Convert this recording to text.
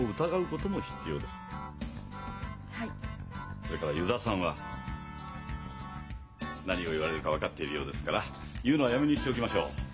それから油座さんは何を言われるか分かっているようですから言うのはやめにしておきましょう。